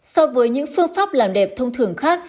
so với những phương pháp làm đẹp thông thường khác